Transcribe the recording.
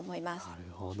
なるほど。